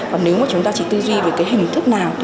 và nếu mà chúng ta chỉ tư duy về cái hình thức nào